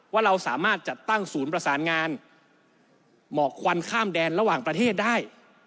ว่าเราสามารถจัดตั้งศูนย์ประสานงานหมอกควันข้ามแดนระหว่างประเทศได้